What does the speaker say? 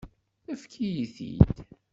Efk-iyi-t-id.